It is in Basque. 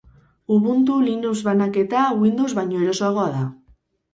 Ubuntu, Linux banaketa, Windows baino erosoagoa da.